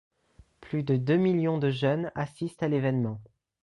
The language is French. Plus de deux millions de jeunes assistent à l'événement.